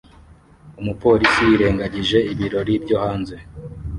Umupolisi yirengagije ibirori byo hanze